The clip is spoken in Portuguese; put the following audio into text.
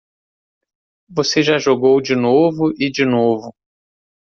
Você já jogou de novo e de novo.